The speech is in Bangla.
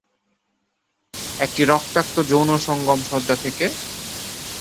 একটি রক্তাক্ত যৌনসঙ্গম সজ্জা থেকে?